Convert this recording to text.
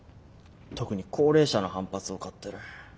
特に高齢者の反発を買ってる。